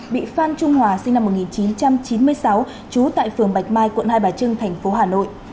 bị phan trung hòa sinh năm một nghìn chín trăm chín mươi sáu trú tại phường bạch mai quận hai bà trưng thành phố hà nội